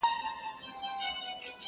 جهاني تا چي به یې شپې په کیسو سپینې کړلې!.